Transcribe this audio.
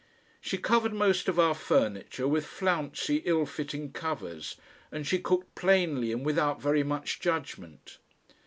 She covered most of our furniture with flouncey ill fitting covers, and she cooked plainly and without very much judgment.